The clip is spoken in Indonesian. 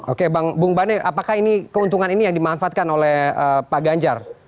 oke bang bung bane apakah ini keuntungan ini yang dimanfaatkan oleh pak ganjar